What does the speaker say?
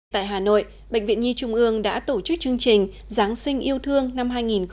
tại hà nội bệnh viện nhi trung ương đã tổ chức chương trình giáng sinh yêu thương năm hai nghìn một mươi chín